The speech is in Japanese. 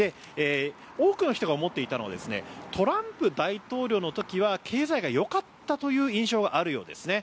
多くの人が思っていたのはトランプ大統領の時は経済がよかったという印象があるようですね。